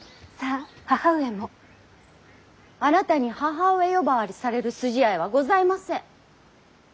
あなたに義母上呼ばわりされる筋合いはございません。